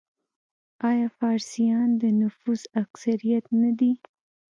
آیا فارسیان د نفوس اکثریت نه دي؟